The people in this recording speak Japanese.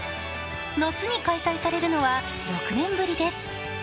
夏に開催されるのは６年ぶりです。